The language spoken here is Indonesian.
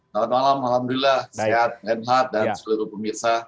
selamat malam alhamdulillah sehat reinhardt dan seluruh pemirsa